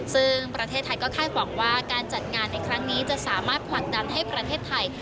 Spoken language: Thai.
ซึ่งประเทศไทยก็คาดหวังว่าการจัดงานในครั้งนี้จะสามารถผลักดันให้ประเทศไทย